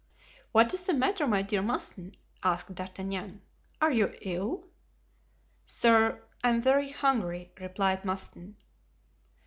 "What is the matter, my dear M. Mouston?" asked D'Artagnan. "Are you ill?" "Sir, I am very hungry," replied Mouston.